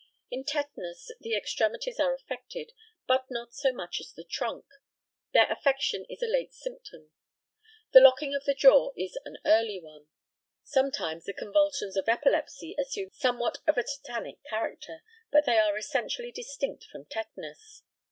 In tetanus the extremities are affected, but not so much as the trunk. Their affection is a late symptom. The locking of the jaw is an early one. Sometimes the convulsions of epilepsy assume somewhat of a tetanic character, but they are essentially distinct from tetanus.